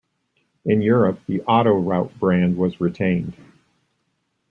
In Europe the Autoroute brand was retained.